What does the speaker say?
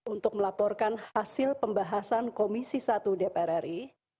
untuk melaporkan hasil pembahasan komisi satu dpr ri